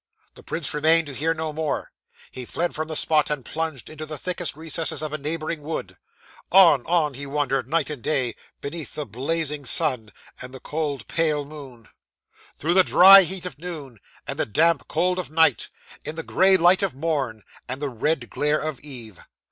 'The prince remained to hear no more. He fled from the spot, and plunged into the thickest recesses of a neighbouring wood. On, on, he wandered, night and day; beneath the blazing sun, and the cold pale moon; through the dry heat of noon, and the damp cold of night; in the gray light of morn, and the red glare of eve.